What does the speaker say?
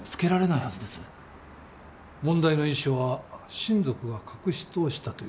問題の遺書は親族が隠し通したということか。